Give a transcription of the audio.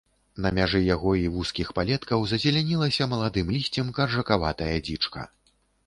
На мяжы яго і вузкіх палеткаў зазелянілася маладым лісцем каржакаватая дзічка.